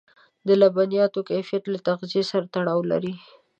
د لبنیاتو کیفیت له تغذيې سره تړاو لري.